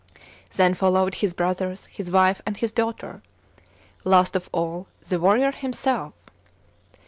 Then followed his brothers, his wife, and his daughter ; last of all the warrior himself.